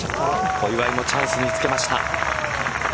小祝もチャンスにつけました。